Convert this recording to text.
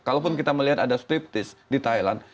kalaupun kita melihat ada striptees di thailand